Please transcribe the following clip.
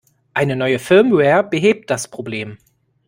Eine neue Firmware behebt das Problem.